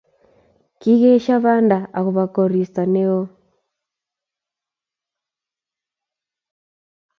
Kikieshio banda akoba koristo neo